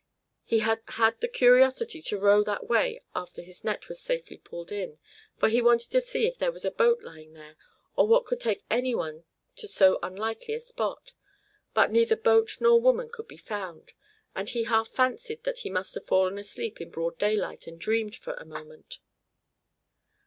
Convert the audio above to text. He had had the curiosity to row that way after his net was safely pulled in, for he wanted to see if there was a boat lying there, or what could take any one to so unlikely a spot; but neither boat nor woman could be found, and he half fancied that he must have fallen asleep in broad daylight and dreamed for a moment.